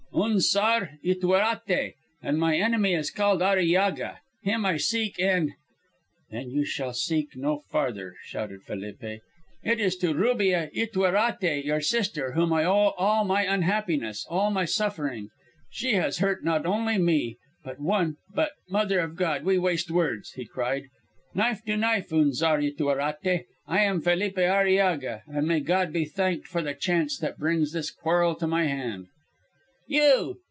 "Unzar Ytuerate, and my enemy is called Arillaga. Him I seek and " "Then you shall seek no farther!" shouted Felipe. "It is to Rubia Ytuerate, your sister, whom I owe all my unhappiness, all my suffering. She has hurt not me only, but one but Mother of God, we waste words!" he cried. "Knife to knife, Unzar Ytuerate. I am Felipe Arillaga, and may God be thanked for the chance that brings this quarrel to my hand." "You!